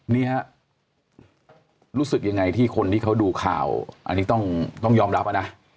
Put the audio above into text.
นี่ฮะรู้สึกยังไงที่คนที่เขาดูข่าวอันนี้ต้องยอมรับนะ